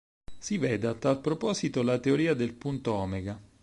Si veda, a tal proposito, la Teoria del Punto Omega.